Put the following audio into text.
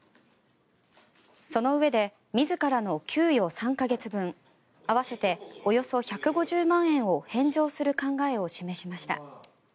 そのうえで自らの給与３か月分合わせておよそ１５０万円を返上する考えを示しました。